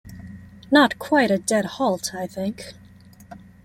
Not quite a dead halt, I think.